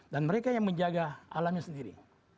mereka yang menjaga alamnya sendiri